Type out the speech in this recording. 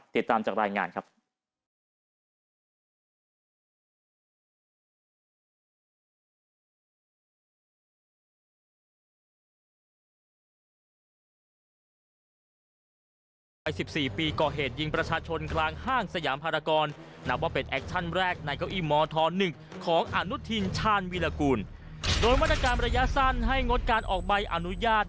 ติดตามจากรายงานครับ